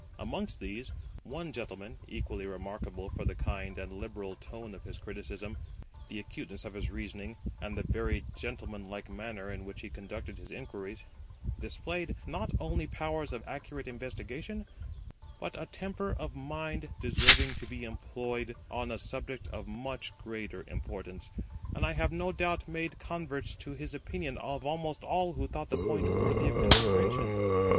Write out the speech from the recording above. Amongst these, one gentleman, equally remarkable for the kind and liberal tone of his criticism, the acuteness of his reasoning, and the very gentlemanlike manner in which he conducted his inquiries, displayed not only powers of accurate investigation, but a temper of mind deserving to be employed on a subject of much greater importance; and I have no doubt made converts to his opinion of almost all who thought the point worthy of consideration. [Footnote: Letters on the Author of Waverly; Rodwell and Martin, London, 1822.